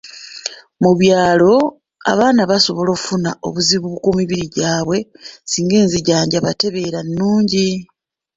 Mu byalo, abaana basobola okufuna obuzibu ku mibiri gyabwe singa enzijjanjaba tebeera nungi.